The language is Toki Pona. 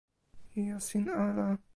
ijo sin ala.